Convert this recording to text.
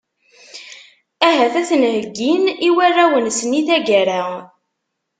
Ahat ad ten-heyyin i warraw-nsen, i tagara.